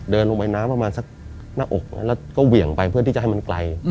เดินลงไปน้ำประมาณสักหน้าอกแล้วก็เหวี่ยงไปเพื่อที่จะให้มันไกล